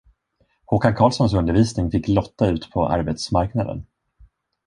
Håkan Carlssons undervisning fick Lotta ut på arbetsmarknaden.